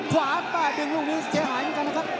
ขวาดปล่อยเบอร์กริงชิอหายเหมือนกันครับ